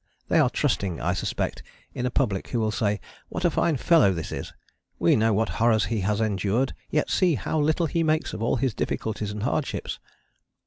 They are trusting, I suspect, in a public who will say, "What a fine fellow this is! we know what horrors he has endured, yet see, how little he makes of all his difficulties and hardships."